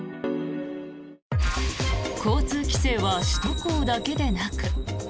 交通規制は首都高だけでなく。